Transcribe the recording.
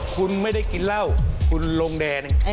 คุณไม่ได้กินเหล้าคุณลงแดง